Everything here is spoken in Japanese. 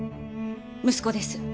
息子です。